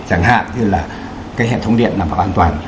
chẳng hạn như là cái hệ thống điện là phải an toàn